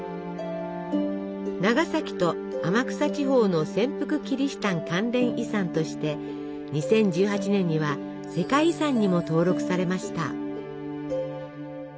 「長崎と天草地方の潜伏キリシタン関連遺産」として２０１８年には世界遺産にも登録されました。